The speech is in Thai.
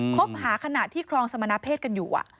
คบหาขณะที่ครองสมณเพศกันอยู่